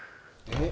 えっ！？